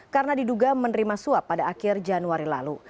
karena diduga menerima suap pada akhir januari lalu